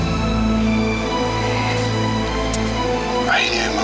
aku akan berakhir jujur natalie